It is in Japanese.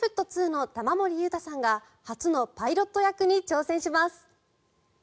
Ｋｉｓ−Ｍｙ−Ｆｔ２の玉森裕太さんが初のパイロット役に挑戦します。